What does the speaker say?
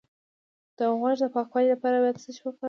د غوږ د پاکوالي لپاره باید څه شی وکاروم؟